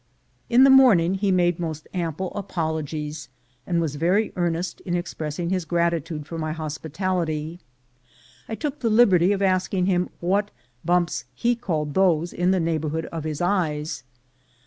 In the morning he made most ample apologies, and was very earnest in expressing his gratitude for my hospitality. I took the liberty of asking him what bumps he called those in the neighborhood of his eyes.